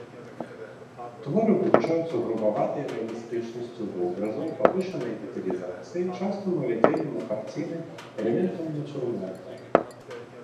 Творы вылучаюцца грубаватай рэалістычнасцю вобразаў, павышанай дэталізацыяй, частым увядзеннем у карціны элементаў нацюрморта.